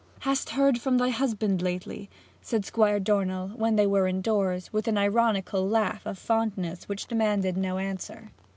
'Hast heard from thy husband lately?' said Squire Dornell, when they were indoors, with an ironical laugh of fondness which demanded no answer.